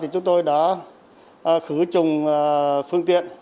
chúng tôi đã khử trùng phương tiện